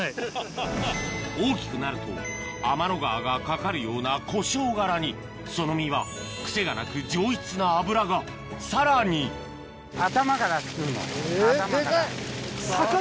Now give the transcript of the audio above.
大きくなると天の川がかかるようなコショウ柄にその身は癖がなく上質な脂がさらにデカい。